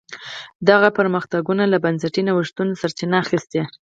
دغه پرمختګونو له بنسټي نوښتونو سرچینه اخیسته.